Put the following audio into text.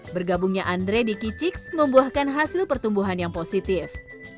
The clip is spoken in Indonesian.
bergabungnya andre di kicix membuahkan hasil pertumbuhan yang positif